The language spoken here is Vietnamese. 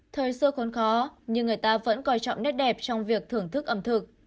thời xưa khốn khó nhưng người ta vẫn coi trọng nét đẹp trong việc thưởng thức ẩm thực